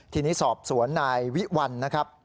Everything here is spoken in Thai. ทีนี้สอบสวนนายวิวัลนะครับ